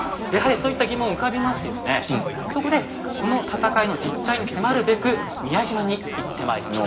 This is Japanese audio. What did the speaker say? そこでこの戦いの実態に迫るべく宮島に行ってまいりました。